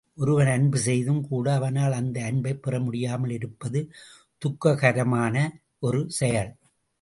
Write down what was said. ஒருவன் அன்பு செய்தும் கூட அவனால் அந்த அன்பை பெறமுடியாமல் இருப்பது துக்ககரமான ஒரு செயல்!